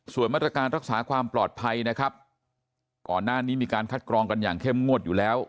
ส่วนมาตรการรักษาความปลอดภัยนะครับก่อนหน้านี้มีการคัดกรองกันอย่างเข้มงวดอยู่แล้ว